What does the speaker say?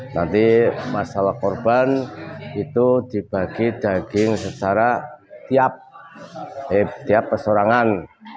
nanti masalah korban itu dibagi daging secara tiap pesorangan